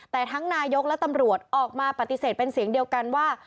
แต่ทั้งนายกและตำรวจออกมาปฏิเสธเป็นเสียงเดียวกันว่า